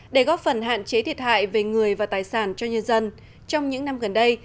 để góp phần hạn chế thiệt hại về người và tài sản cho nhân dân trong những năm gần đây